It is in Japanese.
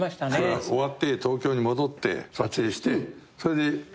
終わって東京に戻って撮影してそれで遊びに行く。